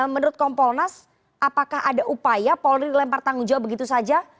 menurut kompolnas apakah ada upaya polri lempar tanggung jawab begitu saja